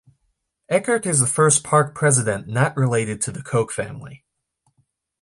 Eckert is the first park President not related to the Koch family.